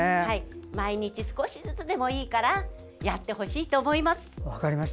毎日、少しずつでもいいからやってほしいと思います。